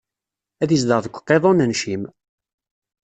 Ad izdeɣ deg iqiḍunen n Cim!